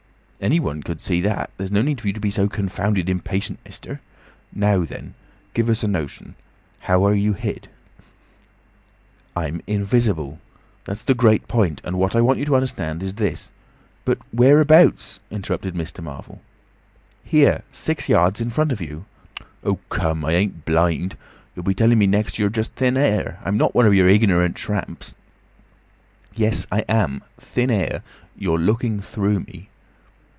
"Anyone could see that. There is no need for you to be so confounded impatient, mister. Now then. Give us a notion. How are you hid?" "I'm invisible. That's the great point. And what I want you to understand is this—" "But whereabouts?" interrupted Mr. Marvel. "Here! Six yards in front of you." "Oh, come! I ain't blind. You'll be telling me next you're just thin air. I'm not one of your ignorant tramps—" "Yes, I am—thin air. You're looking through me."